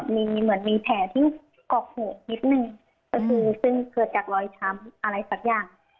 แล้วก็มีแผลที่กอกหงูนิดนึงซึ่งเกิดจากรอยช้ำอะไรสักอย่าง